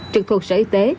trực thuộc sở y tế